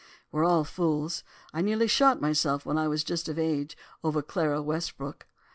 We're all fools; I nearly shot myself when I was just of age over Clara Westbrook.